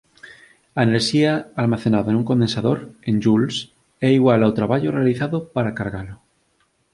A enerxía almacenada nun condensador, en joules, é igual ao traballo realizado para cargalo